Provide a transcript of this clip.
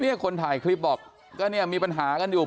คนถ่ายคลิปบอกก็เนี่ยมีปัญหากันอยู่